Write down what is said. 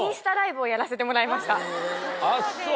あっそう。